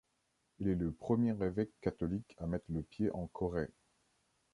Il est le premier évêque catholique à mettre le pied en Corée.